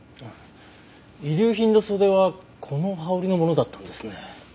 遺留品の袖はこの羽織のものだったんですね。